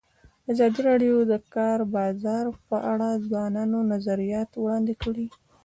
ازادي راډیو د د کار بازار په اړه د ځوانانو نظریات وړاندې کړي.